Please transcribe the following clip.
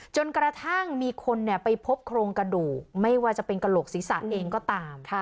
จนกระทั่งมีคนไปพบโครงกระดูกไม่ว่าจะเป็นกระโหลกศีรษะเองก็ตาม